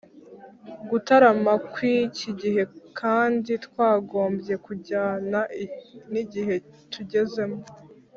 Gutarama kw’iki gihe kandi kwagombye kujyana n’igihe tugezemo